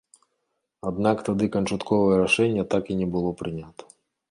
Аднак тады канчатковае рашэнне так і не было прынята.